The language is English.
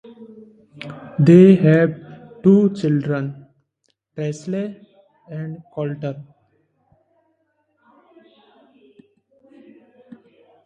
They have two children, Presley and Coulter.